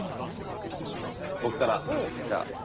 僕からじゃあ。